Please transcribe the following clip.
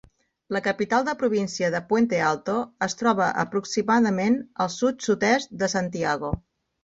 La capital de província de Puente Alto es troba aproximadament al sud-sud-est de Santiago.